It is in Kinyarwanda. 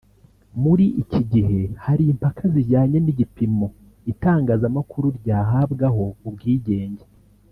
muri iki gihe hari impaka zijyanye n’igipimo itangazamakuru ryahabwaho ubwigenge